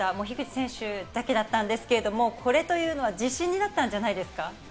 樋口選手だけだったんですけど、これというのは自信になったんじゃないですか？